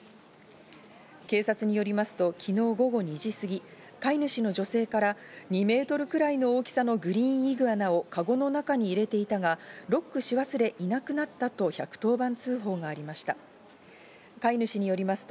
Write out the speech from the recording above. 警察によりますと昨日午後２時過ぎ、飼い主の女性から２ｍくらいの大きさのグリーンイグアナをカゴの中に入れていたがロックし忘れ、いなくなったと１１０番通報がありました。